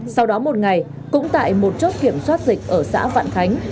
sau đó một ngày cũng tại một chốt kiểm soát dịch ở xã vạn khánh